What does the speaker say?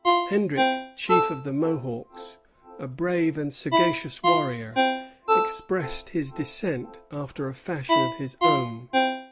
Hendrick, chief of the Mohawks, a brave and sagacious warrior, expressed his dissent after a fashion of his own.